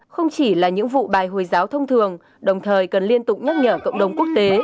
không chỉ là những vụ bài hồi giáo thông thường đồng thời cần liên tục nhắc nhở cộng đồng quốc tế